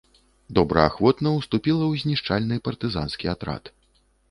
Добраахвотна уступіла ў знішчальны партызанскі атрад.